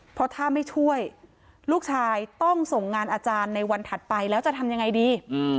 เพราะถ้าไม่ช่วยลูกชายต้องส่งงานอาจารย์ในวันถัดไปแล้วจะทำยังไงดี